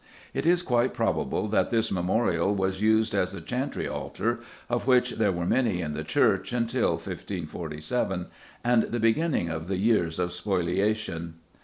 It is quite probable that this memorial was used as a chantry altar, of which there were many in the church until 1547 and the beginning of "the years of spoliation."